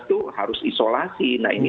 itu harus isolasi nah ini